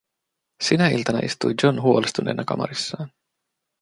Sinä iltana istui John huolestuneena kamarissaan.